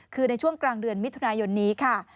คือในช่วงกลางเดือนมิถุนายนนี้ค่ะ